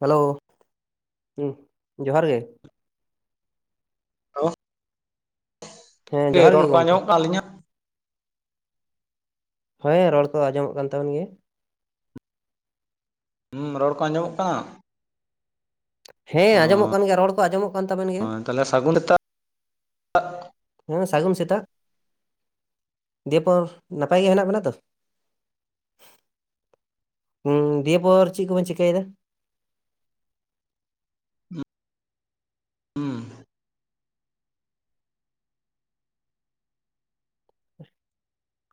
Hello ᱡᱚᱦᱟᱨ ᱜᱮ hello ᱦᱮᱸ ᱦᱮ ᱡᱚᱦᱟᱨ ᱜᱮ ᱨᱚᱲᱠᱚ ᱜᱚᱝᱠᱮ ᱟᱸᱡᱚᱢᱚᱜ ᱠᱟᱱᱟ ᱟᱞᱤᱧᱟᱹᱜ? ᱦᱚᱸ ᱨᱚᱲ ᱠᱚ ᱟᱸᱡᱚᱢᱚᱜ ᱠᱟᱱ ᱛᱟᱵᱚᱱ ᱜᱮᱭᱟ᱾ ᱦᱩᱸ ᱨᱚᱲ ᱠᱚ ᱟᱸᱡᱚᱢᱚᱜ ᱠᱟᱱᱟ? ᱦᱮᱸ ᱟᱸᱡᱚᱢᱚᱜ ᱠᱟᱱ ᱜᱮᱭᱟ ᱨᱚᱲ ᱠᱚ ᱟᱸᱡᱚᱢᱚᱜ ᱠᱟᱱ ᱛᱟᱵᱮᱱ ᱜᱮᱭᱟ᱾ ᱚᱸ ᱛᱟᱦᱚᱞᱮ ᱥᱟᱜᱩᱱ ᱥᱮᱛᱟᱜ ᱦᱮᱸ ᱥᱟᱹᱜᱩᱱ ᱥᱮᱛᱟᱜ᱾ ᱫᱤᱭᱮ ᱯᱚᱨ ᱱᱟᱯᱟᱭ ᱜᱮ ᱦᱮᱱᱟᱜ ᱵᱮᱱᱟ ᱛᱚ? ᱩᱸ ᱫᱤᱭᱮ ᱯᱚᱨ ᱪᱮᱫ ᱠᱚᱵᱮᱱ ᱪᱮᱤᱠᱟᱹᱭᱮᱫᱟ? ᱦᱩᱸ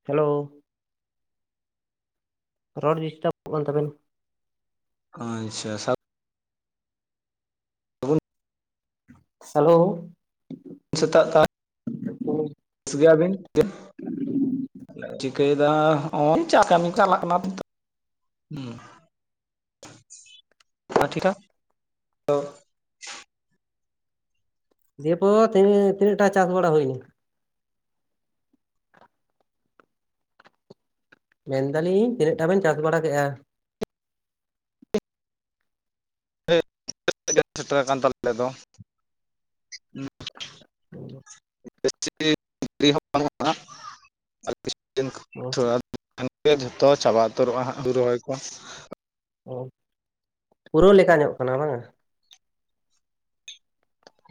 ᱦᱮᱞᱳ ᱨᱚᱲ ᱰᱤᱥᱴᱟᱵᱚᱜ ᱠᱟᱱ ᱛᱟᱵᱮᱱ ᱟᱪᱪᱷᱟ ᱦᱮᱞᱳ ᱥᱮᱛᱟᱜ ᱠᱟᱱ ᱜᱮᱭᱟᱵᱤᱱ ᱠᱟᱹᱭᱮᱫᱟ ᱦᱚᱸᱜᱼᱚᱭ ᱪᱟ ᱠᱟᱹᱢᱤ ᱪᱟᱞᱟᱜ ᱠᱟᱱᱟ ᱦᱩ [unintelligible] ᱫᱤᱭᱮ ᱯᱚᱨ ᱛᱤᱱ ᱛᱤᱱᱟᱹᱜᱴᱟ ᱪᱟᱥ ᱵᱟᱲᱟ ᱦᱩᱭᱱᱟ? ᱢᱮᱱᱫᱟᱞᱤᱧ ᱛᱤᱱᱟᱹᱜᱴᱟ ᱵᱮᱱ ᱪᱟᱥ ᱵᱟᱲᱟ ᱠᱮᱜᱼᱟ? [inaudible] ᱥᱮᱴᱮᱨ ᱟᱠᱟᱱ ᱛᱟᱞᱮ ᱫᱚ [inaudible] [unintelligible] [unintelligible] ᱚ᱾ [inaudible] ᱡᱷᱚᱛᱚ ᱪᱟᱵᱟ ᱩᱛᱟᱹᱨᱚᱜᱼᱟ ᱦᱟᱸᱜ ᱦᱩᱨᱩ ᱨᱚᱦᱚᱭ ᱠᱚ᱾ ᱚ, ᱯᱩᱨᱟᱹᱣ ᱞᱮᱠᱟ ᱧᱚᱜ ᱠᱟᱱᱟ ᱵᱟᱝᱟ?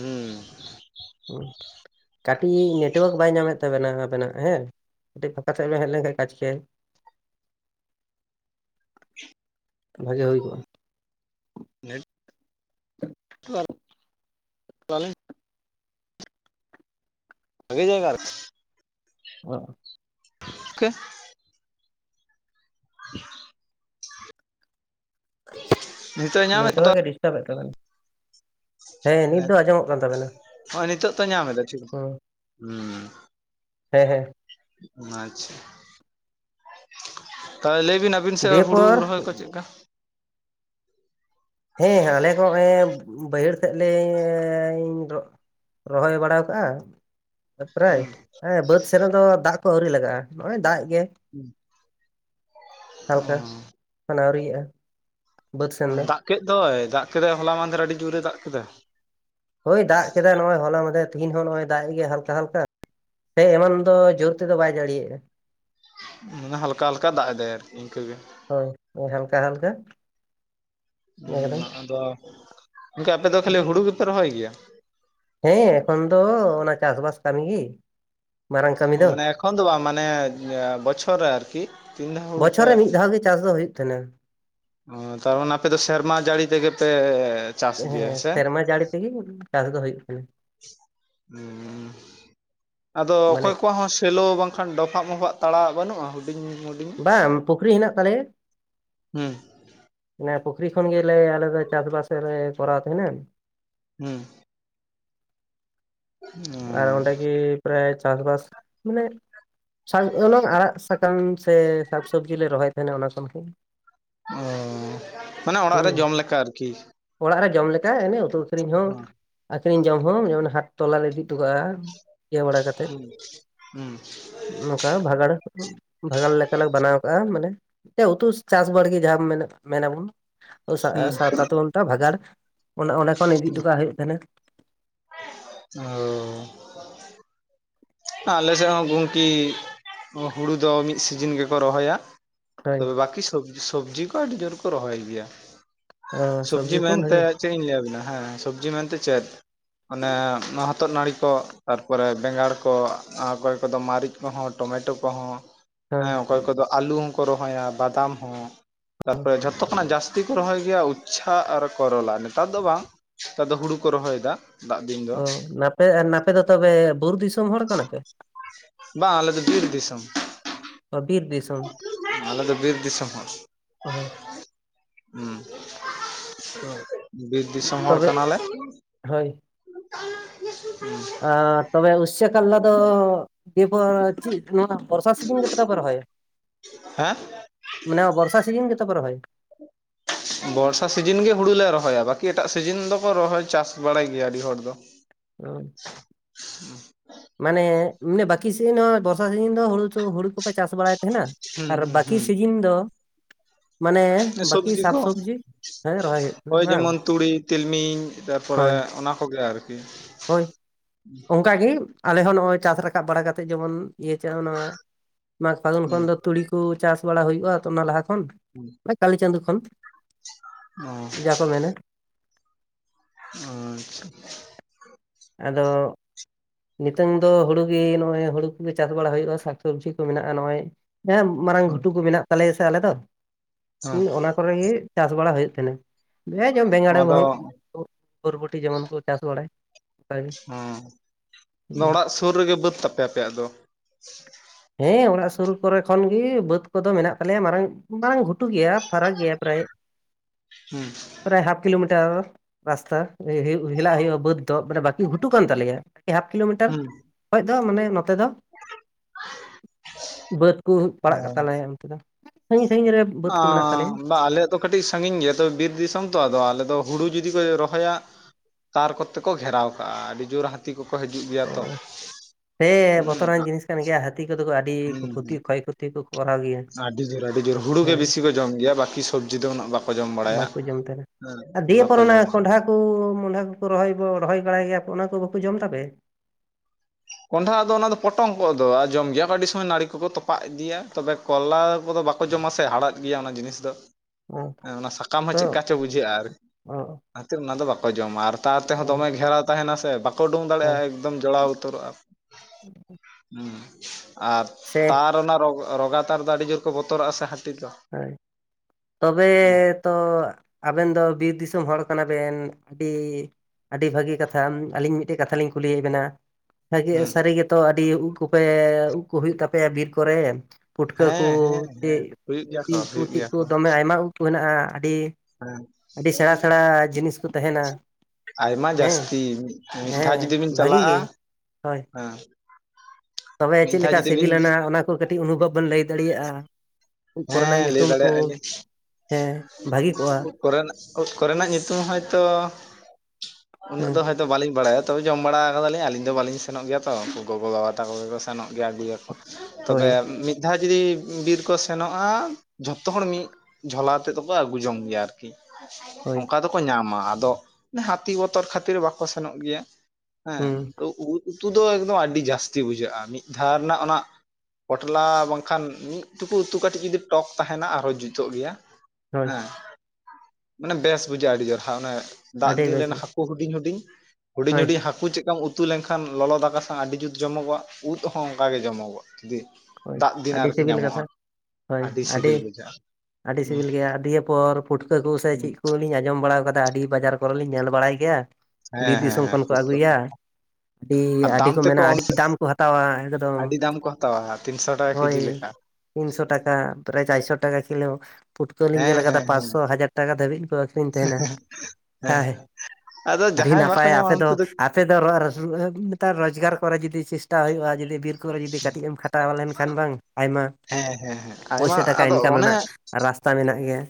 ᱦᱩᱸ᱾ [inaudible] ᱠᱟᱹᱴᱤᱡ ᱱᱮᱴᱣᱟᱨᱠ ᱵᱟᱭ ᱧᱟᱢᱮᱫ ᱛᱟᱵᱮᱱᱟ ᱟᱵᱮᱱᱟᱜ ᱦᱮᱸ ᱠᱟᱹᱴᱤᱡ ᱯᱷᱟᱠᱟ ᱥᱮᱫ ᱵᱮᱱ ᱦᱮᱡ ᱞᱮᱜᱠᱷᱟᱡ ᱠᱟᱡ ᱠᱮᱭᱟᱭ᱾ ᱵᱷᱟᱜᱮ ᱦᱩᱭ ᱠᱚᱜᱼᱟ᱾ [inaudible] ᱟᱹᱞᱤᱧ ᱵᱷᱟᱜᱮ ᱡᱟᱭᱜᱟ ᱨᱮ᱾ ᱚ᱾ [inaudible] ᱱᱤᱛᱚᱜ ᱧᱟᱢ ᱱᱮᱴᱣᱟᱨᱠ ᱮ ᱱᱚᱜᱼᱚᱭ ᱰᱤᱥᱴᱟᱵᱮᱫ ᱛᱟᱵᱮᱱ᱾ ᱦᱮᱸ ᱱᱤᱛ ᱫᱚ ᱟᱸᱡᱚᱢᱚᱜ ᱠᱟᱱ ᱛᱟᱵᱮᱱᱟ᱾ ᱦᱚᱸᱜᱼᱚᱭ ᱱᱤᱛᱚᱜ ᱛᱚ ᱧᱟᱢ ᱮᱫᱟ ᱴᱷᱤᱠ ᱜᱮ᱾ ᱦᱩᱸ᱾ ᱦᱮᱸ ᱦᱮᱸ᱾ ᱟᱪᱪᱷᱟ, ᱛᱟᱦᱚᱞᱮ ᱞᱟᱹᱭ ᱵᱤᱱ ᱟ ᱟᱹᱵᱤᱱ ᱥᱮᱫ ᱦᱩᱲᱩ ᱫᱤᱭᱮᱯᱚᱨ ᱨᱚᱦᱚᱭ ᱠᱚ ᱪᱮᱫᱠᱟ? ᱦᱮᱸ ᱟᱞᱮ ᱠᱚ ᱮᱸᱻ ᱵᱟᱹᱭᱦᱟᱹᱲ ᱛᱮᱫ ᱞᱮᱻ ᱤᱧ ᱨᱚᱜ ᱨᱚᱦᱚᱭ ᱵᱟᱲᱟᱣ ᱠᱟᱜᱼᱟ᱾ ᱯᱨᱟᱭ, ᱦᱮᱸ ᱵᱟᱹᱫ ᱥᱮᱱ ᱨᱮᱫᱚ ᱫᱟᱜ ᱠᱚ ᱟᱹᱣᱨᱤ ᱞᱟᱜᱟᱜ-ᱟ ᱱᱚᱜᱼᱚᱭ ᱫᱟᱜ ᱮᱜ ᱜᱮᱭᱟᱭ᱾ ᱦᱩᱸ, ᱚᱻ᱾ ᱠᱟᱱᱟ ᱟᱹᱣᱨᱤᱭᱟᱜᱼᱟ᱾ ᱵᱟᱹᱫᱽ ᱥᱮᱱ ᱫᱚ ᱫᱟᱜ ᱠᱮᱫ ᱫᱚᱭ, ᱫᱟᱜ ᱠᱮᱫᱟᱭ ᱦᱚᱞᱟ ᱢᱟᱫᱷᱮᱨ ᱟᱹᱰᱤ ᱡᱳᱨᱮ ᱫᱟᱜ ᱠᱮᱫᱟ᱾ ᱦᱳᱭ ᱫᱟᱜ ᱠᱮᱫᱟᱭ ᱱᱚᱜᱼᱚᱭ ᱦᱚᱞᱟ ᱢᱟᱫᱷᱮᱨ ᱛᱮᱦᱤᱧ ᱦᱚᱸ ᱱᱚᱜᱼᱚᱭ ᱫᱟᱜ ᱮᱜ ᱜᱮᱭᱟ ᱦᱟᱞᱠᱟ ᱦᱟᱞᱠᱟ᱾ ᱦᱮᱸ ᱮᱢᱟᱱ ᱫᱚ ᱡᱳᱨ ᱛᱮᱫᱚ ᱵᱟᱭ ᱡᱟᱹᱲᱤᱭᱮᱜᱼᱟ᱾ ᱢᱟᱱᱮ ᱦᱟᱞᱠᱟ ᱦᱟᱞᱠᱟ ᱫᱟᱜ ᱮᱫᱟᱭ ᱟᱨᱠᱤ ᱤᱝᱠᱟᱹ ᱜᱮ᱾ ᱦᱳᱭ ᱮ ᱦᱟᱞᱠᱟ ᱦᱟᱞᱠᱟ᱾ ᱩᱸᱻ ᱮᱠᱫᱚᱢ ᱟᱫᱚ ᱜᱚᱝᱠᱮ ᱟᱯᱮ ᱫᱚ ᱠᱷᱟᱹᱞᱤ ᱦᱩᱲᱩ ᱜᱮᱯᱮ ᱨᱚᱦᱚᱭ ᱜᱮᱭᱟ? ᱦᱮᱸ ᱮᱠᱷᱚᱱ ᱫᱚ ᱚᱱᱟ ᱪᱟᱥ ᱵᱟᱥ ᱠᱟᱹᱢᱤ ᱜᱤ᱾ ᱚ ᱢᱟᱱᱮ ᱮᱠᱷᱚᱱ ᱫᱚ ᱵᱟᱝ ᱢᱟᱱᱮ ᱵᱪᱷᱚᱨ ᱨᱮ ᱟᱨᱠᱤ, ᱛᱤᱱ ᱫᱷᱟᱣ ᱦᱩᱲᱩ ᱵᱚᱪᱷᱚᱨ ᱯᱮ ᱨᱮ ᱢᱤᱫ ᱫᱷᱟᱣ ᱜᱮ ᱪᱟᱥ ᱫᱚ ᱦᱩᱭᱩᱜ ᱛᱟᱦᱮᱸᱱᱟ᱾ ᱚᱻ ᱛᱟᱨ ᱢᱟᱱᱮ ᱟᱯᱮ ᱫᱚ ᱥᱮᱨᱢᱟ ᱡᱟᱹᱲᱤ ᱛᱮᱜᱮ ᱯᱮ ᱪᱟᱥ ᱜᱮᱭᱟ ᱦᱮᱸ ᱥᱮ? ᱥᱮᱨᱢᱟ ᱡᱟᱹᱲᱤ ᱛᱮᱜᱮ ᱪᱟᱥ ᱫᱚ ᱦᱩᱭᱩᱜ ᱠᱟᱱᱟ᱾ [inaudible] ᱟᱫᱚ ᱢᱟᱱᱮ ᱚᱠᱚᱭ ᱠᱚᱣᱟᱜ ᱦᱚᱸ ᱥᱮᱞᱚ ᱵᱟᱝ ᱠᱷᱟᱱ ᱰᱚᱵᱟᱜ ᱢᱚᱵᱷᱟᱜ ᱛᱟᱲᱟᱣᱟᱜ ᱵᱟᱹᱱᱩᱜᱼᱟ ᱦᱩᱰᱤᱧ ᱦᱩᱰᱤᱧ? ᱵᱟᱝ ᱯᱩᱠᱷᱨᱤ ᱦᱮᱱᱟᱜ ᱛᱟᱞᱮᱭᱟ᱾ ᱦᱩᱸ᱾ ᱚᱱᱟ ᱯᱩᱠᱷᱨᱤ ᱠᱷᱚᱱ ᱜᱮᱞᱮ ᱟᱞᱮ ᱫᱚ ᱪᱟᱥ ᱵᱟᱥ ᱞᱮ ᱠᱚᱨᱟᱣ ᱛᱟᱦᱮᱸᱱᱟ᱾ ᱦᱩᱸ᱾ [inaudible] ᱟᱨ ᱚᱸᱰᱮ ᱜᱮ ᱯᱨᱟᱭ ᱪᱟᱥᱵᱟᱥ ᱢᱟᱱᱮ, [inaudible] ᱟᱲᱟᱜ ᱥᱟᱠᱟᱢ ᱥᱮ ᱥᱟᱠ-ᱥᱚᱵᱽᱡᱤ ᱞᱮ ᱨᱚᱦᱚᱭ ᱛᱟᱦᱮᱸᱱᱟ ᱚᱱᱟ ᱠᱷᱚᱱ [inaudible] ᱚᱻ ᱢᱟᱱᱮ ᱚᱲᱟᱜ ᱨᱮ ᱦᱩᱸ ᱡᱚᱢ ᱞᱮᱠᱟ ᱟᱨᱠᱤ᱾ ᱚᱲᱟᱜ ᱨᱮ ᱡᱚᱢ ᱞᱮᱠᱟ ᱮᱱᱮ ᱩᱛᱩ ᱟᱹᱠᱷᱨᱤᱧ ᱦᱚᱸ ᱟᱠᱷᱨᱤᱧ ᱡᱚᱢ ᱦᱚᱸ ᱡᱮᱢᱚᱱ ᱦᱟᱴ ᱛᱚᱞᱟ ᱞᱮ ᱤᱫᱤ ᱦᱚᱴᱚ ᱠᱟᱜᱼᱟ᱾ ᱤᱭᱟᱹ ᱵᱟᱲᱟ ᱠᱟᱛᱮ᱾ ᱦᱩᱸ ᱦᱩᱸ ᱱᱚᱝᱠᱟ ᱵᱷᱟᱜᱟᱲ ᱵᱷᱟᱜᱟᱲ ᱞᱮᱠᱟᱞᱟᱝ ᱵᱮᱱᱟᱣ ᱠᱟᱜᱼᱟ ᱢᱟᱱᱮ᱾ ᱩᱛᱩ ᱪᱟᱥ ᱵᱟᱲᱜᱮ ᱡᱟᱦᱟᱸ ᱢᱮᱱᱟ ᱢᱮᱱ ᱟᱵᱚᱱ ᱾ ᱚ ᱥᱟᱣ ᱥᱟᱣᱛᱟ ᱛᱚᱱᱛᱥ ᱵᱷᱟᱜᱟᱨ ᱚᱱᱟ ᱚᱸᱰᱮ ᱠᱷᱚᱱ ᱤᱫᱤ ᱦᱚᱴᱚ ᱠᱟᱜ ᱦᱩᱭᱩᱜ ᱛᱟᱦᱮᱱᱟ᱾ ᱚ ᱟᱞᱮ ᱥᱮᱫ ᱦᱚᱸ ᱜᱚᱢᱠᱮ᱾ ᱦᱩᱲᱩ ᱫᱚ ᱢᱤᱫ ᱥᱤᱡᱤᱱ ᱜᱮᱠᱚ ᱨᱚᱦᱚᱭᱟ᱾ ᱦᱳᱭ ᱛᱚᱵᱮ ᱵᱟᱠᱤ ᱥᱚᱵ ᱥᱚᱵᱡᱤ ᱠᱚ ᱟᱹᱰᱤ ᱡᱳᱨ ᱠᱚ ᱨᱚᱦᱚᱭ ᱜᱮᱭᱟ ᱾ ᱥᱚᱵᱡᱤ ᱥᱚᱵᱽᱡᱤ ᱠᱚ ᱢᱮᱱᱛᱮ ᱵᱷᱟᱜᱤ ᱪᱮᱫ ᱤᱧ ᱞᱟᱹᱭ ᱟᱵᱮᱱᱟ ᱦᱮᱸ ᱥᱚᱵᱡᱤ ᱢᱮᱱᱛᱮ ᱪᱮᱫ? ᱚᱱᱮ ᱱᱚᱣᱟ ᱦᱚᱛᱚᱫ ᱱᱟᱹᱲᱤ ᱠᱚ ᱛᱟᱨᱯᱚᱨᱮ ᱵᱮᱸᱜᱟᱲ ᱠᱚ ᱟ ᱚᱠᱚᱭ ᱠᱚᱫᱚ ᱢᱟᱹᱨᱤᱡ ᱠᱚᱦᱚᱸ, ᱴᱚᱢᱮᱴᱳ ᱠᱚᱦᱚᱸ, ᱦᱮᱸ ᱚᱠᱚᱭ ᱠᱚᱫᱚ ᱟᱞᱩ ᱦᱚᱸᱠᱚ ᱨᱚᱦᱚᱭᱟ ᱵᱟᱫᱟᱢ ᱦᱚᱸ ᱛᱟᱨᱯᱚᱨᱮ ᱡᱚᱛᱚ ᱡᱚᱛᱚ ᱠᱷᱚᱱᱟᱜ ᱡᱟᱹᱥᱛᱤ ᱠᱚ ᱨᱚᱦᱚᱭ ᱜᱮᱭᱟ ᱩᱪᱪᱷᱟ ᱟᱨ ᱠᱚᱨᱚᱞᱟ ᱾ ᱱᱮᱛᱟᱨ ᱫᱚ ᱵᱟᱝ ᱱᱮᱛᱟᱨ ᱫᱚ ᱦᱩᱲᱩ ᱠᱚ ᱨᱚᱦᱚᱭᱮᱫᱟ ᱾ ᱚ ᱱᱟᱯᱮ ᱟᱨ ᱱᱟᱯᱮ ᱫᱚ ᱛᱚᱵᱮ ᱵᱩᱨᱩ ᱫᱤᱥᱚᱢ ᱦᱚᱲ ᱠᱟᱱᱟᱯᱮ? ᱵᱟᱝ ᱟᱞᱮ ᱫᱚ ᱵᱤᱨ ᱫᱤᱥᱚᱢ᱾ ᱵᱤᱨ ᱫᱤᱥᱚᱢ ᱟᱞᱮ ᱫᱚ ᱵᱤᱨ ᱫᱤᱥᱚᱢ ᱦᱚᱲ᱾ ᱚ ᱦᱩᱸ ᱵᱤᱨ ᱫᱤᱥᱚᱢ ᱦᱚᱲ ᱛᱚᱵᱮ ᱠᱟᱱᱟᱞᱮ᱾ ᱦᱳᱭ᱾ [unintelligible] ᱟᱨ ᱛᱚᱵᱮ ᱩᱥᱥᱟᱹ ᱠᱟᱞᱞᱟ ᱫᱚ, ᱠᱮᱵᱟ ᱪᱮᱫ ᱱᱚᱣᱟ ᱵᱚᱨᱥᱟ ᱥᱤᱡᱤᱱ ᱜᱮᱛᱚ ᱯᱮ ᱨᱚᱦᱚᱭᱟ? ᱦᱮᱸ ᱢᱟᱱᱮ ᱵᱚᱨᱥᱟ ᱥᱤᱡᱤᱱ ᱜᱮᱛᱚ ᱯᱮ ᱨᱚᱦᱚᱭᱟ? ᱵᱚᱨᱥᱟ ᱥᱤᱡᱤᱱ ᱜᱮ ᱦᱩᱲᱩᱞᱮ ᱨᱚᱦᱚᱭᱟ ᱵᱟᱹᱠᱤ ᱮᱴᱟᱜ ᱥᱤᱡᱤᱱ ᱫᱚᱠᱚ ᱨᱚᱦᱚᱭ ᱪᱟᱥ ᱵᱟᱲᱟᱭ ᱜᱮᱭᱟ ᱟᱹᱰᱤ ᱦᱚᱲ ᱫᱚ᱾ ᱦᱩᱸ᱾ [unintelligible] ᱢᱟᱱᱮ ᱵᱟᱹᱠᱤ ᱥᱤᱡᱤᱱ ᱦᱚᱸ ᱵᱚᱨᱥᱟ ᱥᱤᱡᱤᱱ ᱫᱚ ᱦᱩᱲᱩ ᱦᱩᱲᱩ ᱠᱚᱯᱮ ᱪᱟᱥ ᱵᱟᱲᱟᱭ ᱛᱟᱦᱮᱱᱟ ᱦᱩᱸ ᱟᱨ ᱵᱟᱠᱤ ᱦᱩᱸ ᱥᱤᱡᱤᱱ ᱫᱚ ᱢᱟᱱᱮ ᱵᱟᱠᱤ ᱥᱟᱠᱥᱚᱵᱽᱡᱤ᱾ ᱦᱮᱸ ᱨᱚᱦᱚᱭ ᱦᱩᱭᱩᱜ ᱠᱟᱱᱟ ᱦᱳᱭ ᱵᱟᱝ ᱡᱮᱢᱚᱱ ᱛᱩᱲᱤ ᱛᱤᱞᱢᱤᱧ ᱛᱟᱨᱯᱚᱨᱮ ᱦᱳᱭ ᱚᱱᱟ ᱠᱚᱜᱮ ᱟᱨᱠᱤ ᱾ ᱦᱳᱭ ᱚᱱᱠᱟᱜᱮ ᱟᱞᱮ ᱦᱚᱸ ᱱᱚᱜᱼᱚᱭ ᱪᱟᱥ ᱨᱟᱠᱟᱵ ᱵᱟᱲᱟ ᱠᱟᱛᱮ ᱡᱮᱢᱚᱱ ᱤᱭᱟᱹ ᱪᱟᱣ ᱚᱱᱟ ᱢᱟᱜᱽ ᱯᱷᱟᱹᱜᱩᱱ ᱦᱩᱸ ᱠᱷᱚᱱ ᱫᱚ ᱛᱩᱲᱤ ᱠᱚ ᱪᱟᱥ ᱵᱟᱲᱟ ᱦᱩᱭᱩᱜᱼᱟ ᱛᱚ ᱚᱱᱟ ᱞᱟᱦᱟ ᱠᱷᱚᱱ᱾ [inaudible] ᱠᱟᱞᱤ ᱪᱟᱸᱫᱳ ᱠᱷᱚᱱ ᱚ ᱡᱟᱠᱚ ᱢᱮᱱᱟ᱾ ᱦᱳᱭ᱾ ᱟᱫᱚ᱾ ᱱᱤᱛᱚᱝ ᱫᱚ ᱦᱩᱲᱩ ᱜᱮ ᱱᱚᱜᱼᱚᱭ ᱦᱩᱲᱩ ᱠᱚᱜᱮ ᱪᱟᱥ ᱵᱟᱲᱟ ᱦᱩᱭᱩᱜᱼᱟ ᱥᱟᱠᱥᱚᱵᱽᱡᱤ ᱠᱚ ᱢᱮᱱᱟᱜᱼᱟ ᱱᱚᱜᱼᱚᱭ ᱦᱮ᱾ ᱢᱟᱨᱟᱝ ᱦᱮᱸ ᱜᱷᱩᱴᱩ ᱠᱚ ᱢᱮᱱᱟᱜ ᱛᱟᱞᱮᱭᱟ ᱥᱮ ᱟᱞᱮ ᱫᱚ ᱦᱩᱸ ᱚᱱᱟ ᱠᱚᱨᱮ ᱜᱮ ᱪᱟᱥ ᱵᱟᱲᱟ ᱦᱩᱭᱩᱜ ᱛᱟᱦᱮᱱᱟ᱾ ᱦᱮ ᱡᱚᱢ ᱱᱚᱣᱟ ᱫᱚ ᱵᱮᱸᱜᱟᱲᱮᱵᱷᱚᱝ ᱵᱩᱨᱵᱩᱴᱩ ᱡᱮᱢᱚᱱ ᱠᱚ ᱪᱟᱥ ᱵᱟᱲᱟᱭᱟ ᱾ ᱦᱚᱸ, ᱚᱲᱟᱜ ᱥᱩᱨ ᱨᱮᱜᱮ ᱵᱟᱹᱫᱽ ᱛᱟᱯᱮ ᱟᱯᱮᱭᱟᱜ ᱫᱚ? ᱦᱮᱸ ᱚᱲᱟᱜ ᱥᱩᱨ ᱠᱚᱨᱮ ᱠᱷᱚᱱ ᱜᱮ ᱵᱟᱹᱫᱽ ᱠᱚᱫᱚ ᱢᱮᱱᱟᱜ ᱛᱟᱞᱮᱭᱟ ᱢᱟᱨᱟᱝ ᱢᱟᱨᱟᱝ ᱜᱷᱩᱴᱩ ᱜᱮᱭᱟ ᱯᱷᱟᱨᱟᱠ ᱜᱮᱭᱟ ᱯᱮᱨᱟᱭ᱾ [inaudible] ᱦᱩᱸ᱾ ᱯᱮᱨᱟᱭ ᱦᱟᱯ ᱠᱤᱞᱳᱢᱤᱴᱟᱨ ᱨᱟᱥᱛᱟ ᱮ ᱦᱮᱭ ᱦᱮᱞᱟᱜ ᱦᱩᱭᱩᱜᱼᱟ ᱵᱟᱹᱫᱽ ᱫᱚ ᱢᱟᱱᱮ ᱵᱟᱠᱤ ᱜᱷᱩᱴᱩ ᱠᱟᱱ ᱛᱟᱞᱮᱭᱟ᱾ ᱮ ᱦᱟᱯ ᱠᱤᱞᱳᱢᱤᱴᱟᱨ ᱦᱩᱸ ᱠᱷᱚᱡ ᱫᱚ ᱢᱟᱱᱮ ᱱᱚᱛᱮ ᱫᱚ ᱾ ᱵᱟᱹᱫᱽ ᱠᱚ ᱯᱟᱲᱟᱜ ᱠᱟᱛᱟᱞᱮᱭᱟ ᱚᱱᱛᱮ ᱫᱚ ᱥᱟᱺᱜᱤᱧ ᱥᱟᱺᱜᱤᱧ ᱨᱮ ᱵᱟᱹᱫᱽ ᱠᱚ ᱢᱮᱱᱟᱜ ᱛᱟᱞᱮᱭᱟ ᱚᱸ ᱵᱟ ᱟᱞᱮᱛᱼᱼ ᱛᱚ ᱠᱟᱹᱴᱤᱡ ᱥᱟᱹᱜᱤᱧ ᱜᱮᱭᱟ ᱛᱚᱵᱮ ᱵᱤᱨ ᱫᱤᱥᱚᱢ ᱛᱚ ᱟᱫᱟ ᱟᱞᱮ ᱫᱚ ᱦᱩᱲᱩ ᱡᱩᱫᱤ ᱠᱚ ᱨᱚᱦᱚᱭᱟ᱾ ᱛᱟᱨ ᱠᱚᱛᱮ ᱠᱚ ᱜᱷᱮᱨᱟᱣ ᱠᱟᱜ-ᱟ ᱟᱹᱰᱤ ᱡᱳᱨ ᱦᱟᱹᱛᱤ ᱠᱚᱠᱚ ᱦᱤᱡᱩᱜ ᱜᱮᱭᱟ ᱛᱚ᱾ ᱦᱮ ᱦᱩᱸ ᱵᱚᱛᱚᱨᱟᱱ ᱡᱤᱱᱤᱥ ᱠᱟᱱ ᱜᱮᱭᱟ, ᱦᱟᱹᱛᱤ ᱠᱚᱫᱚ ᱠᱚ ᱟᱹᱰᱤ ᱦᱩᱸ ᱠᱷᱚᱛᱤ ᱦᱩᱸ ᱠᱷᱚᱭ ᱠᱷᱚᱛᱤ ᱠᱚ ᱠᱚᱨᱟᱣ ᱜᱮᱭᱟ᱾ ᱟᱹᱰᱤ ᱡᱳᱨ ᱟᱹᱰᱤ ᱡᱳᱨ ᱦᱩᱲᱩ ᱜᱮ ᱦᱳᱭ ᱵᱤᱥᱤ ᱠᱚ ᱡᱚᱢ ᱜᱮᱭᱟ ᱵᱟᱠᱤ ᱥᱚᱵᱽᱡᱤ ᱫᱚ ᱩᱱᱟᱹᱜ ᱵᱟᱠᱼᱼ ᱵᱟᱠᱚ ᱡᱚᱢ ᱛᱟᱦᱮᱸᱱᱟ᱾ ᱟᱨ ᱫᱤᱭᱮ ᱯᱚᱨ ᱵᱟᱠᱚ ᱚᱱᱟ ᱡᱚᱢᱟ ᱠᱚᱸᱰᱷᱟ ᱠᱩ ᱢᱚᱱᱰᱷᱟ ᱠᱚᱠᱚ ᱨᱚᱦᱚᱭ ᱠᱚ ᱨᱚᱦᱚᱭ ᱵᱟᱲᱟᱭ ᱜᱮᱭᱟ ᱠᱚ ᱚᱱᱟ ᱠᱚ ᱵᱟᱠᱚ ᱡᱚᱢ ᱛᱟᱯᱮ? ᱠᱚᱸᱰᱷᱟ ᱟᱫᱚ ᱚᱱᱟ ᱫᱚ ᱯᱚᱴᱚᱢ ᱠᱚᱜ ᱫᱚ᱾ ᱟ ᱡᱚᱢ ᱜᱮᱭᱟ ᱠᱚ ᱟᱹᱰᱤ ᱥᱚᱢᱚᱭ ᱱᱟᱲᱤ ᱠᱚᱠᱚ ᱛᱚᱯᱟᱜ ᱤᱫᱤᱭᱟ᱾ ᱛᱚᱵᱮ ᱠᱚᱨᱞᱟ ᱠᱚᱫᱚ ᱵᱟᱠᱚ ᱡᱚᱢᱟ ᱥᱮ ᱦᱟᱲᱟᱫ ᱜᱮᱭᱟ ᱚᱱᱟ ᱡᱤᱱᱤᱥ ᱫᱚ᱾ ᱚ ᱦᱮᱸ ᱚᱱᱟ ᱥᱟᱠᱟᱢ ᱦᱚᱸ ᱚ ᱪᱮᱫᱠᱟ ᱪᱚ ᱵᱩᱡᱷᱟᱹᱜ-ᱟ ᱟᱨ ᱚᱱᱟ ᱠᱷᱟᱹᱛᱤᱨ ᱚᱱᱟ ᱫᱚ ᱵᱟᱠᱚ ᱡᱚᱢᱟ ᱟᱨ ᱛᱟᱨ ᱛᱮᱦᱚᱸ ᱚ ᱫᱚᱢᱮ ᱜᱷᱮᱨᱟᱣ ᱛᱟᱦᱮᱱᱟ ᱥᱮ ᱵᱟᱠᱚ ᱩᱰᱩᱝ ᱦᱳᱭ ᱫᱟᱲᱮᱜ-ᱟ ᱮᱠᱫᱚᱢ ᱡᱚᱲᱟᱣ ᱩᱛᱟᱹᱨᱚᱜ-ᱟ [inaudible] ᱟᱨ ᱥᱮ ᱛᱟᱨ ᱚᱱᱟ ᱨᱚᱜᱽ ᱨᱚᱜᱟ ᱛᱟᱨ ᱫᱚ ᱟᱹᱰᱤ ᱡᱳᱨ ᱠᱚ ᱵᱚᱛᱚᱨᱟᱜ-ᱟ ᱥᱮ ᱦᱟᱹᱛᱤ ᱫᱚ᱾ ᱦᱟᱹᱭ᱾ ᱛᱚᱵᱮ ᱛᱚ ᱟᱵᱮᱱ ᱫᱚ ᱵᱤᱨ ᱫᱤᱥᱚᱢ ᱦᱚᱲ ᱠᱟᱱᱟ ᱵᱮᱱ᱾ ᱟᱹᱰᱤ ᱟᱹᱰᱤ ᱵᱷᱟᱹᱜᱤ ᱠᱟᱛᱷᱟ᱾ ᱟᱹᱞᱤᱧ ᱢᱤᱫᱴᱮᱡ ᱠᱟᱛᱷᱟ ᱞᱤᱧ ᱠᱩᱞᱤᱭᱮᱫ ᱵᱮᱱᱟ? ᱟᱹᱜᱤ ᱦᱩᱸ ᱥᱟᱹᱨᱤ ᱜᱮᱛᱚ ᱟᱹᱰᱤ ᱩᱫ ᱠᱚᱯᱮ ᱩᱫ ᱠᱚ ᱦᱩᱭᱩᱜ ᱛᱟᱯᱮᱭᱟ ᱵᱤᱨ ᱠᱚᱨᱮ᱾ ᱯᱩᱴᱠᱟᱹ ᱠᱚ ᱦᱮᱸ ᱦᱮᱸ ᱦᱮᱸ ᱮᱜ ᱦᱩᱭᱩᱜ ᱜᱮᱭᱟ ᱛᱤᱜ ᱠᱚ ᱦᱩᱭᱩᱜ ᱛᱤᱜ ᱜᱮᱭᱟ ᱠᱚ ᱫᱚᱢᱮ ᱟᱭᱢᱟ ᱩᱫ ᱠᱚ ᱦᱮᱱᱟᱜ-ᱟ ᱟᱹᱰᱤ ᱦᱮᱸ᱾ ᱟᱹᱰᱤ ᱥᱮᱬᱟ ᱥᱮᱬᱟ ᱡᱤᱱᱤᱥ ᱠᱚ ᱛᱟᱦᱮᱸᱱᱟ᱾ ᱟᱭᱢᱟ ᱡᱟᱹᱥᱛᱤ ᱢᱤᱫ ᱫᱷᱟᱣ ᱦᱮᱸ ᱡᱩᱫᱤᱵᱤᱱ ᱵᱷᱟᱜᱤ ᱜᱮ ᱪᱟᱞᱟᱜ-ᱟ, ᱦᱳᱭ ᱦᱮᱸ᱾ ᱛᱚᱵᱮ ᱢᱤᱫ ᱪᱮᱫ ᱫᱷᱟᱣ ᱞᱮᱠᱟ ᱡᱩᱫᱤ ᱵᱤᱱ ᱥᱤᱵᱤᱞᱟ ᱱᱟᱜ ᱚᱱᱟ ᱠᱚ ᱠᱟᱹᱴᱤᱡ ᱚᱱᱩᱵᱷᱚᱵᱽ ᱵᱮᱱ ᱞᱟᱹᱭ ᱫᱟᱲᱮᱭᱟᱜ-ᱟ᱾ ᱩᱵ ᱠᱚᱨᱮᱱᱟᱜ ᱦᱮᱸ ᱞᱟᱹᱭ ᱧᱩᱛᱩᱢ ᱠᱩ, ᱫᱟᱲᱮᱭᱟᱜᱼᱟ ᱞᱤᱧ ᱦᱮᱸ ᱵᱷᱟᱹᱜᱤ ᱠᱚᱜ-ᱟ᱾ ᱩᱫ ᱠᱚᱨᱮᱱᱟᱜ ᱩᱫ ᱠᱚᱨᱮᱱᱟᱜ ᱧᱩᱛᱩᱢ ᱦᱚᱭ ᱛᱚ ᱩᱱᱟᱹᱜ ᱫᱚ ᱦᱮᱸ ᱟᱹᱣᱨᱤ ᱠᱚ ᱛᱚ ᱵᱟᱹᱞᱤᱧ ᱵᱟᱲᱟᱭᱟ, ᱛᱚᱵᱮ ᱡᱚᱢ ᱵᱟᱲᱟ ᱟᱠᱟᱫᱟᱞᱤᱧ ᱟᱹᱞᱤᱧ ᱫᱚ ᱵᱟᱹᱞᱤᱧ ᱥᱮᱱᱚᱜ ᱜᱮᱭᱟ ᱛᱚ᱾ ᱜᱚᱜᱚ ᱵᱟᱵᱟ ᱛᱟᱠᱚ ᱜᱮᱠᱚ ᱥᱮᱱᱚᱜ ᱜᱮᱭᱟ ᱟᱹᱜᱩᱭᱟᱠᱚ᱾ ᱛᱚᱵᱮ ᱦᱳᱭ ᱢᱤᱫ ᱫᱷᱟᱣ ᱡᱩᱫᱤ ᱵᱤᱨ ᱠᱚᱥ ᱥᱮᱱᱚᱜ-ᱟ, ᱡᱷᱚᱛᱚ ᱦᱚᱲ ᱢᱤᱫ ᱡᱷᱚᱞᱟ ᱛᱮᱫ ᱫᱚᱠᱚ ᱟᱹᱜᱩ ᱡᱚᱝ ᱜᱮᱭᱟ ᱟᱹᱨᱠᱤ᱾ ᱦᱳᱭ ᱚᱱᱠᱟ ᱫᱚ ᱠᱚ ᱧᱟᱢᱟ ᱟᱫᱚ ᱦᱟᱹᱛᱤ ᱵᱚᱛᱚᱨ ᱠᱷᱟᱹᱛᱤᱨ ᱵᱟᱠᱚ ᱥᱮᱱᱚᱜ ᱜᱮᱭᱟ᱾ ᱦᱮᱸ, ᱦᱩᱸ ᱛᱚ ᱩᱫ ᱩᱛᱩ ᱫᱚ ᱮᱠᱫᱚᱢ ᱟᱹᱰᱤ ᱡᱟᱹᱥᱛᱤ ᱵᱩᱡᱷᱟᱹᱜ-ᱟ᱾ ᱢᱤᱫ ᱫᱷᱟᱣ ᱨᱮᱱᱟᱜ ᱚᱱᱟ ᱯᱚᱴᱚᱞᱟ ᱵᱟᱝᱠᱷᱟᱱ ᱢᱤᱫ ᱴᱩ ᱠᱩ ᱩᱛᱩ ᱠᱟᱹᱴᱤᱡ ᱡᱩᱫᱤ ᱴᱚᱠ ᱛᱟᱦᱮᱸᱱᱟ ᱟᱨᱦᱚᱸ ᱡᱩᱛᱚᱜ ᱜᱮᱭᱟ᱾ ᱦᱳᱭ ᱦᱮᱸ᱾ ᱢᱟᱱᱮ ᱵᱮᱥ ᱵᱩᱡᱷᱟᱹᱜ-ᱟ ᱟᱹᱰᱤ ᱡᱳᱨ ᱦᱟᱸᱜ ᱚᱱᱮ ᱫᱟᱜ ᱟᱹᱰᱤ ᱫᱤᱱ ᱵᱮᱥ ᱨᱮᱱ ᱦᱟᱹᱠᱩ ᱦᱩᱰᱤᱧ ᱦᱩᱰᱤᱧ ᱦᱩᱰᱤᱧ ᱦᱳᱭ ᱦᱩᱰᱤᱧ ᱦᱟᱠᱩ ᱪᱮᱫᱠᱟᱢ ᱩᱛ ᱩᱛᱩ ᱞᱮᱱ ᱠᱷᱟᱱ ᱞᱚᱞᱚ ᱫᱟᱠᱟ ᱥᱟᱶ ᱟᱹᱰᱤ ᱡᱩᱛ ᱡᱚᱢᱚᱜᱚᱜ-ᱟ᱾ ᱩᱫ ᱦᱚᱸ ᱚᱱᱠᱟ ᱜᱮ ᱡᱚᱢᱚᱜᱚᱜ-ᱟ᱾ ᱡᱩᱫᱤ ᱦᱳᱭ ᱫᱟᱜ ᱫᱤᱱ ᱟᱹᱰᱤ ᱟᱹᱨᱠᱤ ᱥᱤᱵᱤᱞ ᱠᱟᱛᱷᱟ ᱧᱟᱢᱚᱜ-ᱟ᱾ ᱟᱹᱰᱤ ᱥᱤᱵᱤᱞ ᱵᱩᱡᱷᱟᱹᱜ-ᱟ᱾ ᱟᱹᱰᱤ ᱥᱤᱵᱤᱞ ᱜᱮᱭᱟ ᱫᱤᱭᱮ ᱯᱚᱨ ᱯᱩᱴᱠᱟᱹ ᱠᱚ ᱥᱮ ᱦᱩᱸ ᱪᱮᱫ ᱠᱚᱞᱤᱧ ᱟᱸᱡᱚᱢ ᱵᱟᱲᱟ ᱟᱠᱟᱫᱟ ᱟᱹᱰᱤ ᱵᱟᱡᱟᱨ ᱠᱚᱨᱮ ᱞᱤᱧ ᱧᱮᱞ ᱵᱟᱲᱟᱭ ᱜᱮᱭᱟ᱾ ᱵᱤᱨ ᱦᱮᱸ ᱦᱮᱸ ᱫᱤᱥᱚᱢ ᱦᱮᱸ ᱠᱷᱚᱱ ᱠᱚ ᱯᱩᱴᱠᱟᱹ ᱟᱹᱜᱩᱭᱟ᱾ ᱟᱹᱰᱤ ᱟᱨ ᱟᱹᱰᱤ ᱫᱟᱢ ᱠᱚ ᱛᱮᱠᱚ ᱢᱮᱱᱟ ᱟᱹᱰᱤ ᱫᱟᱢ ᱠᱚ ᱦᱟᱛᱟᱣᱟ ᱮᱠᱫᱚᱢ᱾ ᱛᱟᱣᱟ ᱛᱤᱱᱥᱚ ᱴᱟᱠᱟ ᱦᱳᱭ ᱠᱮᱡᱤ ᱞᱮᱠᱟ᱾ ᱛᱤᱱᱥᱚ ᱴᱟᱠᱟ ᱯᱨᱟᱭ ᱪᱟᱨᱥᱚ ᱴᱟᱠᱟ ᱠᱤᱞᱳ᱾ ᱯᱩᱴᱠᱟᱹ ᱞᱤᱧ ᱧᱮᱞ ᱦᱮᱸ ᱟᱠᱟᱫᱟ ᱦᱮᱸ ᱦᱮᱸ ᱯᱟᱸᱪᱥᱚ ᱦᱟᱡᱟᱨ ᱴᱟᱠᱟ ᱫᱷᱟᱹᱵᱤᱡ ᱠᱚ ᱟᱹᱠᱷᱨᱤᱧ ᱛᱟᱦᱮᱸᱱᱟ᱾ ᱛᱟ ᱦᱮᱸ ᱟᱫᱚ ᱟᱹᱰᱤ ᱡᱟᱦᱟᱸᱭ ᱵᱟᱠᱚ ᱱᱟᱯᱟᱭ ᱟᱯᱮ ᱧᱟᱢᱟ ᱫᱚ ᱩᱱᱠᱩ [unintelligible] ᱟᱯᱮ ᱫᱚ ᱨ ᱱᱮᱛᱟᱨ ᱨᱳᱡᱽᱜᱟᱨ ᱠᱚᱨᱮ ᱡᱩᱫᱤ ᱪᱮᱥᱴᱟ ᱦᱳᱭᱳᱜ-ᱟ᱾ ᱡᱩᱫᱤ ᱵᱤᱨ ᱠᱚᱨᱮ ᱡᱩᱫᱤ ᱠᱟᱹᱴᱤᱡ ᱮᱢ ᱠᱷᱟᱴ ᱪᱟᱣ ᱞᱮᱱᱠᱷᱟᱱ ᱵᱟᱝ, ᱟᱭᱢᱟ ᱦᱮᱸ ᱦᱮᱸ ᱦᱮᱸ ᱟᱭᱢᱟ ᱯᱚᱭᱥᱟ ᱴᱟᱠᱟ ᱟᱫᱚ ᱤᱱᱠᱟᱢ ᱚᱱᱮ ᱨᱮᱱᱟᱜ ᱨᱟᱥᱛᱟ ᱢᱮᱱᱟᱜ ᱜᱮᱭᱟ᱾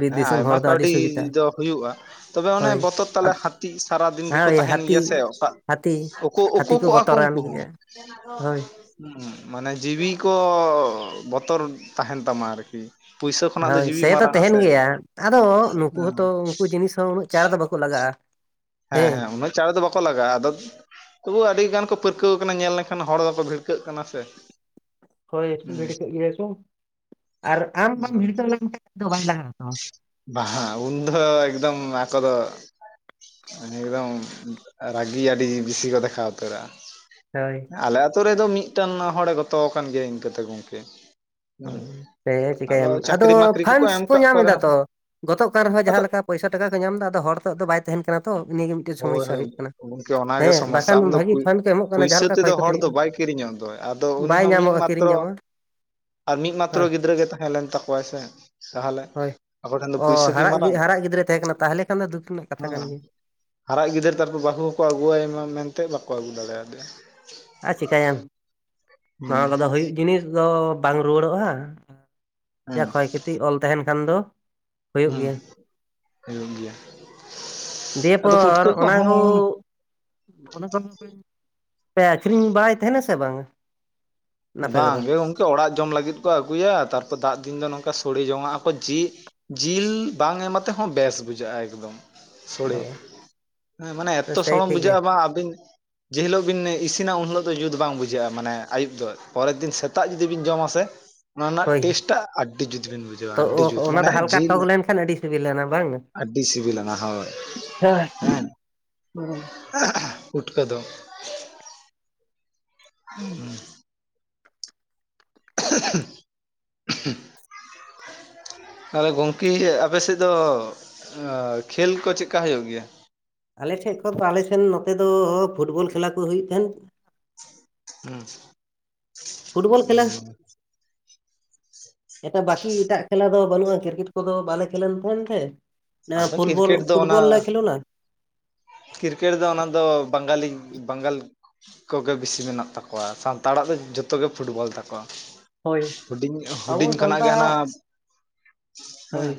ᱵᱤᱨ ᱦᱮᱸ ᱫᱤᱥᱚᱢ ᱟᱭᱢᱟ ᱦᱚᱲ ᱫᱚ ᱟᱹᱰᱤ ᱠᱟᱹᱣᱰᱤ ᱥᱩᱵᱤᱫᱷᱟ ᱫᱚ ᱦᱩᱭᱩᱜ-ᱟ᱾ ᱛᱚᱵᱮ ᱚᱱᱮ ᱦᱳᱭ ᱵᱚᱛᱚᱨ ᱛᱟᱞᱮ᱾ ᱠᱟᱹᱴᱤᱡ ᱥᱟᱨᱟᱫᱤᱱ ᱜᱮᱠᱚ ᱦᱳᱭ ᱛᱟᱦᱮᱸᱱ ᱜᱮᱭᱟ ᱥᱮ, ᱦᱟᱹᱛᱤ ᱚᱴᱟᱜ ᱦᱟᱹᱛᱤ ᱳᱠᱳ ᱦᱟᱹᱛᱤ ᱳᱠᱳ ᱠᱚᱜ-ᱟ ᱠᱚ ᱵᱚᱛᱚᱨᱟᱱ ᱩᱱᱠᱩ ᱦᱚᱸ᱾ ᱜᱮᱭᱟ ᱦᱳᱭ ᱦᱩᱸ ᱢᱟᱱᱮ ᱡᱤᱣᱤ ᱠᱚ ᱵᱚᱛᱚᱨ ᱛᱟᱦᱮᱱ ᱛᱟᱢᱟ ᱟᱨᱠᱤ ᱯᱩᱭᱥᱟᱹ ᱠᱷᱚᱱᱟᱜ ᱫᱚ ᱡᱤᱣᱤ ᱛᱟᱦᱮ ᱫᱚ ᱢᱟᱨᱟᱝᱼᱟ ᱛᱟᱦᱮᱱ ᱥᱮ ᱜᱮᱭᱟ ᱟᱫᱚ ᱱᱩᱠᱩ ᱦᱮᱸ ᱦᱚᱸᱛᱚ ᱩᱱᱠᱩ ᱡᱤᱱᱤᱥ ᱦᱚᱸ ᱩᱱᱟᱹᱜ ᱪᱟᱬ ᱫᱚ ᱵᱟᱠᱚ ᱞᱟᱜᱟᱜᱼᱟ᱾ ᱦᱮᱸ ᱦᱮᱸ ᱩᱱᱟᱹᱜ ᱪᱟᱬ ᱫᱚ ᱵᱟᱠᱚ ᱞᱟᱜᱟᱜᱼᱟ ᱟᱫᱚ ᱛᱚᱵᱩ ᱟᱹᱰᱤ ᱜᱟᱱ ᱠᱚ ᱯᱟᱹᱨᱠᱟᱹᱣ ᱟᱠᱟᱱᱟ ᱧᱮᱞ ᱞᱮᱱᱠᱷᱟᱱ ᱦᱚᱲ ᱫᱚᱠᱚ ᱵᱷᱤᱲᱠᱟᱹᱜ ᱠᱟᱱᱟ ᱥᱮ᱾ ᱦᱳᱭ ᱦᱩᱸ ᱵᱷᱤ ᱤᱭᱟᱹᱠᱚ ᱟᱨ ᱟᱢ ᱵᱟᱢ ᱦᱩᱸ ᱵᱷᱤᱲᱠᱟᱹᱣ ᱞᱮᱱᱠᱷᱟᱱ ᱫᱚ ᱵᱟᱭ ᱞᱟᱦᱟ ᱦᱟᱛᱟᱣᱟ᱾ ᱵᱟᱦ ᱩᱱ ᱫᱚ ᱮᱠᱫᱚᱢ ᱟᱠᱚ ᱫᱚ ᱮᱠᱫᱚᱢ ᱨᱟᱹᱜᱤ ᱟᱹᱰᱤ ᱵᱮᱥᱤ ᱠᱚ ᱫᱮᱠᱷᱟᱣ ᱩᱛᱟᱹᱨᱟᱜ-ᱟ᱾ ᱦᱳᱭ᱾ ᱮᱸ ᱟᱞᱮ ᱟᱛᱳ ᱨᱮᱫᱚ ᱢᱤᱫᱴᱟᱝ ᱦᱚᱲᱮ ᱜᱚᱛᱚᱣ ᱟᱠᱟᱱ ᱜᱮᱭᱟ ᱤᱱᱠᱟᱹᱛᱮ ᱜᱚᱝᱠᱮ᱾ ᱦᱩᱸ ᱥᱮ ᱪᱤᱠᱟᱹᱭᱟᱢ ᱟᱫᱚ ᱪᱟᱹᱠᱨᱤ ᱢᱟᱠᱨᱤ ᱠᱚᱠᱚ ᱯᱷᱟᱱᱰᱥ ᱮᱢ ᱠᱚ ᱠᱟᱜ ᱧᱟᱢ ᱮᱫᱟ ᱛᱚ ᱨᱮᱦᱚᱸ ᱜᱚᱫᱚᱜ ᱠᱟᱱ ᱨᱮᱦᱚᱸᱭ ᱡᱟᱦᱟᱸ ᱟᱫᱚ ᱞᱮᱠᱟ᱾ ᱯᱚᱭᱥᱟ ᱴᱟᱠᱟ ᱠᱚ ᱧᱟᱢ ᱮᱫᱟ ᱟᱫᱚ ᱦᱚᱲ ᱛᱚᱜ ᱫᱚ ᱵᱟᱭ ᱛᱟᱦᱮᱱ ᱠᱟᱱᱟ ᱛᱚ ᱩᱱᱤ ᱜᱮᱢ ᱢᱤᱫᱴᱮᱱ ᱦᱳᱭ ᱥᱚᱢᱚᱥᱥᱟ ᱦᱳᱭ ᱦᱩᱭᱩᱜ ᱠᱟᱱᱟ᱾ ᱜᱚᱝᱠᱮ ᱚᱱᱟᱜᱮ ᱦᱮᱸ ᱥᱚᱢᱚᱥᱥᱟ ᱵᱟᱠᱷᱟᱱ ᱟᱢ ᱫᱚ ᱵᱷᱟᱹᱜᱤ ᱯᱩᱭ ᱠᱷᱟᱱ ᱯᱮ ᱮᱢᱚᱜ ᱠᱟᱱᱟ ᱡᱟᱦᱟᱸ ᱯᱩᱭᱥᱟᱹ ᱞᱮᱠᱟ ᱠᱷᱚᱭ ᱛᱮᱫᱚ ᱠᱟᱛᱮ ᱦᱚᱲ ᱫᱚ ᱦᱩᱭᱩᱜᱼᱟ᱾ ᱵᱟᱭ ᱠᱤᱨᱤᱧᱚᱜ ᱫᱚᱭ ᱟᱫᱚ ᱩᱱᱤ ᱦᱚᱸ ᱢᱤᱫ ᱢᱟᱛᱨᱚ ᱧᱟᱢᱚᱜᱼᱟ ᱟᱨ ᱢᱤᱫ ᱢᱟᱛᱨᱚ ᱦᱳᱭ ᱜᱤᱫᱽᱨᱟᱹ ᱜᱮ ᱛᱟᱦᱮᱸ ᱞᱮᱱ ᱛᱟᱠᱚᱣᱟᱭ ᱥᱮ ᱛᱟᱦᱚᱞᱮ᱾ ᱦᱳᱭ ᱟᱠᱚ ᱴᱷᱮᱱ ᱫᱚ ᱚ ᱯᱩᱭᱥᱟᱹ ᱠᱤ ᱦᱟᱨᱟᱜ ᱜᱤ ᱢᱟᱨᱟᱝ ᱦᱟᱨᱟᱜ ᱜᱤᱫᱽᱨᱟᱹᱭ ᱛᱟᱦᱮᱸ ᱠᱟᱱᱟ ᱛᱟᱦᱚᱞᱮ ᱠᱷᱟᱱ ᱫᱚ ᱫᱩᱠ ᱨᱮᱱᱟᱜ ᱠᱟᱛᱷᱟ ᱦᱮᱸ ᱠᱟᱱ ᱜᱮᱭᱟ᱾ ᱦᱟᱨᱟᱜ ᱜᱤᱫᱟᱹᱨ ᱛᱟᱨᱯᱚᱨ ᱵᱟᱹᱦᱩ ᱦᱚᱸᱠᱚ ᱟᱹᱜᱩᱣᱟᱭ ᱢᱟ ᱢᱮᱱᱛᱮ ᱵᱟᱠᱚ ᱟᱹᱜᱩ ᱫᱟᱲᱮᱭᱟᱫᱮᱭᱟ᱾ ᱟᱨ ᱪᱤᱠᱟᱹᱭᱟᱢ ᱦᱩᱸ ᱱᱚᱣᱟ ᱠᱚᱫᱚ ᱦᱩᱭᱩᱜ ᱡᱤᱱᱤᱥ ᱫᱚ ᱵᱟᱝ ᱨᱩᱣᱟᱹᱲᱚᱜᱼᱟ᱾ ᱡᱟ ᱦᱩᱸ ᱠᱷᱚᱭ ᱠᱷᱚᱛᱤ ᱚᱞᱱᱛᱟᱦᱮᱱ ᱠᱷᱟᱱ ᱫᱚ ᱦᱩᱭᱩᱜ ᱦᱩᱸ᱾ ᱜᱮᱭᱟ ᱦᱩᱭᱩᱜ ᱜᱮᱭᱟ᱾ ᱫᱤᱭᱮ ᱟᱫᱚ ᱯᱚᱨ ᱯᱩᱴᱠᱟᱹ ᱚᱱᱟ ᱠᱚ ᱠᱚᱦᱚᱸ [unintelligible] ᱯᱮ ᱟᱹᱠᱷᱨᱤᱧ ᱵᱟᱲᱟᱭᱮᱫ ᱛᱟᱦᱮᱱᱟ ᱥᱮ ᱵᱟᱝᱟ? ᱟᱯᱮ ᱠᱚᱫᱚ ᱵᱟᱝᱜ ᱜᱚᱝᱠᱮ ᱚᱲᱟᱜ ᱡᱚᱢ ᱞᱟᱹᱜᱤᱫ ᱠᱚ ᱟᱹᱜᱩᱭᱟ ᱛᱟᱨᱯᱚᱨ ᱫᱟᱜ ᱫᱤᱱ ᱫᱚ ᱱᱚᱝᱠᱟ ᱥᱳᱲᱮ ᱡᱚᱝᱟᱜᱼᱟᱠᱚ ᱡᱤᱞ᱾ ᱡᱤᱞ ᱵᱟᱝ ᱮᱢ ᱟᱛᱮᱦᱚᱸ ᱵᱮᱥ ᱵᱩᱡᱷᱟᱹᱜᱼᱟ ᱮᱠᱫᱚᱢ᱾ ᱥᱳᱲᱮ ᱦᱮᱸ ᱢᱟᱱᱮ ᱚ ᱮᱛᱚ ᱥᱮᱭ ᱥᱚᱲᱚᱢ ᱴᱷᱤᱠ ᱜᱮ ᱵᱩᱡᱷᱟᱹᱜᱼᱟ ᱵᱟᱝ ᱟᱹᱵᱤᱱ ᱡᱮ ᱦᱤᱞᱳᱜ ᱵᱤᱱ ᱤᱥᱤᱱᱟ ᱩᱱ ᱦᱤᱞᱳᱜ ᱫᱚ ᱡᱩᱛ ᱵᱟᱝ ᱵᱩᱡᱷᱟᱹᱜᱼᱟ ᱢᱟᱱᱮ ᱟᱹᱩᱵ ᱫᱚ ᱟᱨᱠᱤ᱾ ᱯᱚᱨᱮᱨ ᱫᱤᱱ ᱥᱮᱛᱟᱜ ᱡᱩᱫᱤ ᱵᱤᱱ ᱡᱚᱢᱟ ᱥᱮ ᱚᱱᱟ ᱨᱮᱱᱟᱜ ᱦᱳᱭ ᱴᱮᱥ ᱴᱟᱜ ᱟᱹᱰᱤ ᱡᱩᱛ ᱵᱤᱱ ᱵᱩᱡᱷᱟᱹᱣᱟ ᱛᱚ ᱟᱹᱰᱤ ᱡᱩᱛ ᱚᱱᱟ ᱢᱟᱱᱮ ᱫᱚ ᱦᱟᱞᱠᱟ ᱡᱤᱞ ᱴᱚᱠ ᱞᱮᱱᱠᱷᱟᱱ ᱟᱹᱰᱤ ᱥᱤᱵᱤᱞᱟᱱᱟ ᱟᱹᱰᱤ ᱥᱤᱰᱵᱤ ᱥᱤᱵᱤᱞᱟᱱᱟ ᱦᱳᱭ᱾ ᱞᱟᱹᱭ ᱦᱮᱸ ᱢᱮ᱾ ᱯᱩᱴᱠᱟᱹ ᱫᱚ᱾ [unintelligible] [unintelligible] ᱛᱟᱦᱞᱮ ᱜᱚᱝᱠᱮ ᱟᱯᱮ ᱥᱮᱫ ᱫᱚ ᱟ ᱠᱷᱮᱹᱞ ᱠᱚ ᱪᱮᱫᱠᱟ ᱦᱩᱭᱩᱜ ᱜᱮᱭᱟ᱾ ᱟᱞᱮ ᱴᱷᱮ ᱠᱷᱚᱱᱫᱚ ᱟᱞᱮ ᱥᱮᱱ ᱱᱚᱛᱮ ᱫᱚ ᱯᱷᱩᱴᱵᱚᱞ ᱠᱷᱮᱞᱟ ᱠᱚ ᱦᱩᱭᱩᱜ ᱛᱟᱦᱮᱸᱱ᱾ ᱦᱩᱸ ᱯᱷᱩᱴᱵᱚᱞ ᱠᱷᱮᱞᱟ ᱦᱮᱸ᱾ ᱮᱴᱟᱜ ᱵᱟᱟᱹᱠᱤ ᱮᱴᱟᱜ ᱠᱷᱮᱞᱟ ᱫᱚ ᱵᱟᱹᱱᱩᱜᱼᱟ ᱠᱨᱤᱠᱮᱴ ᱠᱚᱫᱚ ᱵᱟᱞᱮ ᱠᱷᱮᱞᱟᱱ ᱛᱟᱦᱮᱱ ᱛᱮ? ᱚᱱᱟ ᱟᱫᱚ ᱯᱷᱩᱴᱵᱚᱞ ᱠᱨᱤᱠᱮᱴ ᱫᱚ ᱚᱱᱟ ᱯᱷᱩᱴᱵᱚᱞ ᱱᱟ ᱠᱷᱮᱞᱳᱞᱟ᱾ ᱠᱨᱤᱠᱮᱴ ᱫᱚ ᱚᱱᱟ ᱫᱚ ᱵᱟᱝᱜᱟᱞᱤ ᱵᱟᱝᱜᱟᱞ ᱠᱚᱜᱮ ᱵᱮᱥᱤ ᱢᱮᱱᱟᱜ ᱛᱟᱠᱚᱣᱟ ᱥᱟᱱᱛᱟᱲᱟᱜ ᱫᱚ ᱡᱚᱛᱚᱜᱮ ᱯᱷᱩᱴᱵᱚᱞ ᱛᱟᱠᱚᱣᱟ᱾ ᱦᱳᱭ ᱦᱩᱰᱤᱧ ᱟᱵᱚ ᱦᱩᱰᱤᱧ ᱠᱷᱟᱱᱟᱜ ᱜᱮ ᱦᱟᱱᱟ ᱥᱟᱱᱛᱟᱲᱟᱜ ᱦᱳᱭ ᱦᱮᱸ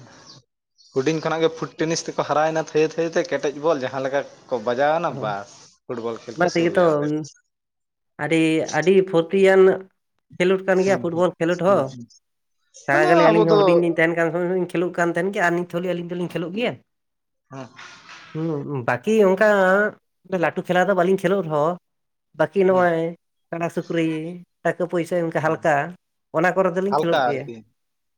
ᱦᱩᱰᱤᱧ ᱠᱷᱚᱱᱟᱜ ᱜᱮ ᱯᱷᱩᱴ ᱴᱮᱱᱤᱥ ᱛᱮᱠᱚ ᱦᱟᱨᱟᱭᱮᱱᱟ ᱛᱷᱟᱹᱭᱟᱹ ᱛᱷᱟᱹᱭᱟᱛᱮ ᱠᱮᱴᱮᱡ ᱵᱚᱞ ᱡᱟᱦᱟᱸ ᱞᱮᱠᱟ ᱠᱚ ᱵᱟᱡᱟᱣᱮᱱᱟ ᱵᱟᱥ᱾ ᱯᱷᱩᱴᱵᱚᱞ ᱠᱷᱮᱞ ᱠᱚ ᱵᱟᱨᱮ ᱛᱮᱜᱮ ᱛᱚ, ᱥᱩᱨᱩᱭᱟ ᱚᱸᱰᱮ ᱟᱹᱰᱤ ᱟᱹᱰᱤ ᱯᱷᱩᱨᱛᱤᱭᱟᱱ ᱠᱷᱮᱞᱳᱰ ᱠᱟᱱ ᱜᱮᱭᱟ ᱯᱷᱩᱴᱵᱚᱞ ᱠᱷᱮᱞᱳᱰ ᱦᱚᱸ, ᱥᱟᱨᱟ ᱟᱫᱚ ᱜᱟᱷᱞᱤᱡ ᱟᱵᱚ ᱟᱹᱞᱤᱧ ᱦᱚᱸ ᱫᱚ ᱦᱩᱰᱤᱧ ᱞᱤᱧ ᱛᱟᱦᱮᱱ [unintelligible] ᱠᱷᱮᱞᱹᱳᱜ ᱠᱟᱱ ᱛᱟᱦᱮᱜ ᱜᱮ, ᱟᱨ ᱱᱤᱛ ᱦᱚᱞᱤᱧ ᱟᱞᱤᱧ ᱫᱚᱞᱤᱧ ᱠᱷᱮᱞᱳᱜ ᱜᱮᱭᱟ᱾ ᱦᱸ᱾ ᱦᱸ ᱵᱟᱠᱤ ᱚᱱᱠᱟ ᱞᱟᱹᱴᱩ ᱠᱷᱮᱞᱟ ᱫᱚ ᱵᱟᱹᱞᱤᱧ ᱠᱷᱮᱞᱞᱳᱜ ᱨᱮᱦᱚᱸ᱾ ᱵᱟᱹᱠᱤ ᱦᱩᱸ ᱱᱚᱜᱼᱚᱭ ᱠᱟᱲᱟ ᱥᱩᱠᱨᱤ, ᱴᱟᱠᱟ ᱯᱚᱭᱥᱟ ᱚᱱᱠᱟ ᱦᱟᱞᱠᱟ᱾ ᱚᱱᱟ ᱠᱚᱨᱮ ᱫᱚᱞᱤᱧ ᱦᱟᱞᱠᱟ ᱠᱷᱮᱞᱳᱜ ᱜᱮᱭᱚ᱾ ᱟᱨᱠᱤ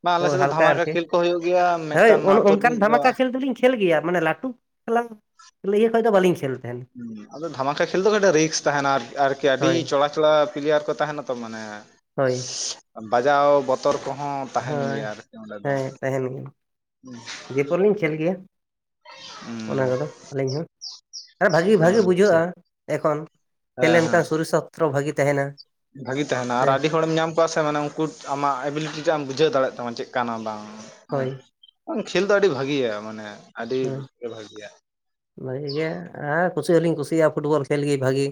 ᱵᱟᱝ ᱟᱞᱮ ᱦᱳᱭ ᱥᱮᱫ ᱫᱚ ᱦᱟᱞᱠᱟ ᱫᱷᱟᱢᱟᱠᱟ ᱟᱨᱠᱤ, ᱠᱷᱮᱞ ᱠᱚ ᱦᱩᱭᱩᱜ ᱜᱮᱭᱟ ᱢᱤᱫᱴᱟᱝ ᱟᱛᱳ ᱚᱱᱠᱟᱱ ᱨᱤᱱᱤᱡ ᱫᱚ ᱫᱷᱟᱢᱟᱠᱟ ᱠᱷᱮᱞ ᱫᱚᱞᱤᱧᱼᱼ ᱠᱷᱮᱞ ᱜᱮᱭᱟ ᱢᱟᱱᱮ ᱞᱟᱹᱴᱩ [inaudible] ᱠᱷᱮᱞ ᱞᱤᱭᱟᱹ [inaudible] ᱫᱚ ᱵᱟᱟᱹᱞᱤᱧ ᱠᱷᱮᱞ ᱛᱟᱦᱮᱱᱟ᱾ ᱟᱫᱚ ᱰᱷᱟᱢᱟᱠᱟ ᱠᱷᱮᱞ ᱫᱚ ᱠᱟᱹᱴᱤᱡ ᱨᱤᱠᱥ ᱛᱟᱦᱮᱱᱟ ᱟᱨ ᱟᱨᱠᱤ, ᱟᱹᱰᱤ ᱦᱳᱭ ᱪᱚᱲᱟᱼᱼ [inaudible] ᱼᱯᱞᱤᱭᱟᱨ ᱠᱚ ᱛᱟᱦᱮᱱᱟ ᱛᱚ ᱢᱟᱱᱮ᱾ ᱦᱳᱭ᱾ ᱵᱟᱡᱟᱣ ᱵᱚᱛᱚᱨ ᱠᱚᱦᱚᱸ ᱛᱟᱦᱮᱱ ᱜᱮᱭᱟ ᱦᱳᱭ ᱟᱨᱠᱤ ᱚᱸᱰᱮ ᱫᱚ ᱦᱚᱸ᱾ ᱮᱯᱚᱞ ᱞᱤᱧ ᱠᱷᱮᱞ ᱜᱮᱭᱟ ᱚᱱᱟ ᱠᱚᱫᱚ ᱟᱹᱞᱤᱧ ᱦᱚᱸ᱾ ᱦᱮᱸ ᱵᱷᱟᱜᱤ ᱵᱷᱟᱜᱮ ᱟᱪᱪᱷᱟ ᱵᱩᱡᱷᱟᱹᱜᱼᱟ ᱮᱠᱷᱚᱱ ᱠᱷᱮᱞ ᱞᱮᱱᱠᱷᱟᱱ ᱥᱚᱨᱤᱨ ᱥᱟᱥᱛᱨᱚ ᱵᱷᱟᱜᱮ ᱛᱟᱦᱮᱱᱟ᱾ ᱵᱷᱟᱜᱤ ᱛᱟᱦᱮᱱᱟ ᱟᱨ ᱥᱮ ᱟᱹᱰᱤ ᱦᱚᱲᱮᱢ ᱧᱟᱢ ᱠᱚᱣᱟ ᱥᱮ ᱢᱟᱱᱮ ᱩᱱᱠᱩ ᱟᱢᱟᱜ ᱮᱵᱤᱞᱤᱴᱤ ᱴᱢ ᱵᱩᱡᱷᱟᱹᱣ ᱫᱟᱲᱮᱭᱟᱜ ᱛᱟᱢᱟ ᱪᱮᱫ ᱠᱟᱱᱟ ᱵᱟᱝ᱾ ᱦᱳᱭ ᱦᱮᱸ ᱠᱷᱮᱞ ᱫᱚ ᱟᱹᱰᱤ ᱵᱷᱟᱜᱭᱟ ᱢᱟᱱᱮ ᱟᱹᱰᱤ ᱜᱮ ᱵᱷᱟᱜᱮᱭᱟ᱾ ᱵᱷᱟᱹᱜᱤ ᱜᱮ ᱦᱮᱸ ᱠᱩᱥᱤ ᱦᱚᱸᱞᱤᱧ ᱠᱩᱥᱤᱭᱟᱜᱼᱟ ᱯᱷᱩᱴᱵᱚᱞ ᱠᱷᱮᱞ ᱜᱮ ᱵᱷᱟᱜᱤ᱾